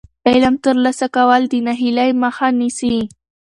علم ترلاسه کول د ناهیلۍ مخه نیسي.